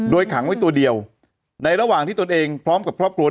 โดยขังไว้ตัวเดียวในระหว่างที่ตนเองพร้อมกับครอบครัว